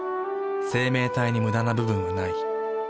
生命体にムダな部分はない。